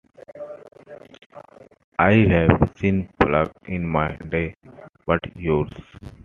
I've seen pluck in my day, but yours!